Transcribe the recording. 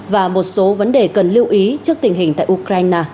và một số vấn đề cần lưu ý trước tình hình này